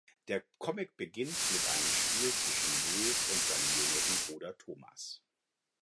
Der Comic beginnt mit einem Spiel zwischen Louis und seinem jüngeren Bruder Thomas.